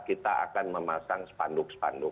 kita akan memasang spanduk spanduk